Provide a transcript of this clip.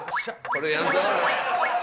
これやるぞ。